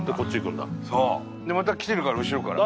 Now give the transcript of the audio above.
でまた来てるから後ろから。